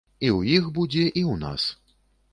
І ў іх будзе, і ў нас.